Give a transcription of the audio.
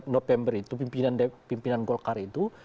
november itu pimpinan golkar itu